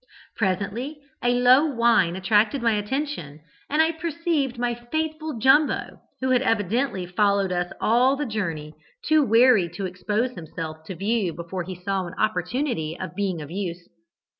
"Presently a low whine attracted my attention, and I perceived my faithful Jumbo, who had evidently followed us all the journey, too wary to expose himself to view before he saw an opportunity of being of use.